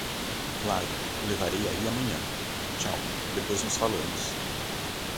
Claro, levarei aí amanhã. Tchau, depois nos falamos.